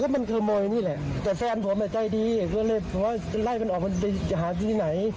เพราะว่าเล่นมันออกไปหาที่ไหน